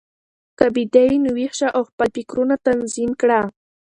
که بیده یې، نو ویښ شه او خپل فکرونه تنظیم کړه.